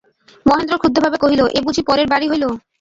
মহেন্দ্র ক্ষুদ্ধভাবে কহিল, এ বুঝি পরের বাড়ি হইল?